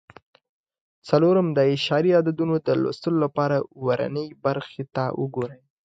څلورم: د اعشاري عدد د لوستلو لپاره ورنیي برخو ته وګورئ.